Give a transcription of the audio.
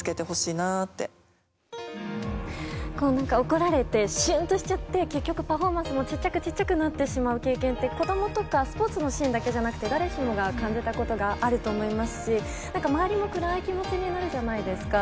怒られてしゅんとしちゃって結局パフォーマンスも小さくなってしまう経験って子供とかスポーツのシーンだけじゃなくて、誰しもが感じたことがあると思いますし周りも暗い気持ちになるじゃないですか。